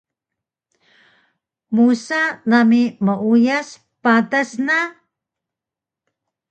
musa namu meuyas patas na?